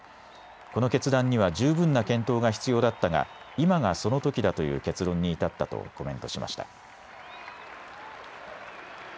この決断には十分な検討が必要だったが今がそのときだという結論に至ったとコメントしました。